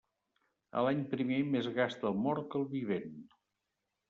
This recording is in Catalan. A l'any primer més gasta el mort que el vivent.